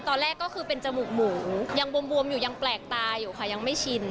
ตอนแรกก็คือเป็นจมูกหมูยังบวมอยู่ยังแปลกตาอยู่ค่ะยังไม่ชิน